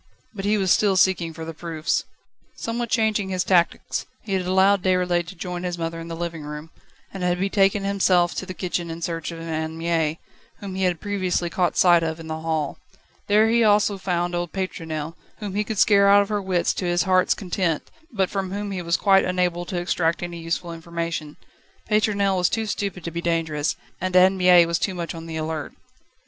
But he was still seeking for the proofs. Somewhat changing his tactics, he had allowed Déroulède to join his mother in the living room, and had betaken himself to the kitchen in search of Anne Mie, whom he had previously caught sight of in the hall. There he also found old Pétronelle, whom he could scare out of her wits to his heart's content, but from whom he was quite unable to extract any useful information. Pétronelle was too stupid to be dangerous, and Anne Mie was too much on the alert.